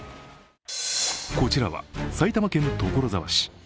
こちらは埼玉県所沢市。